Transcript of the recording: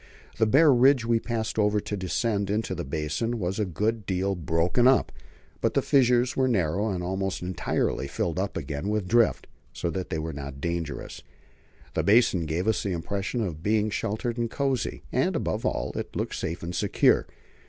The bare ridge we passed over to descend into the basin was a good deal broken up; but the fissures were narrow, and almost entirely filled up again with drift, so that they were not dangerous. The basin gave us the impression of being sheltered and cosy, and, above all, it looked safe and secure.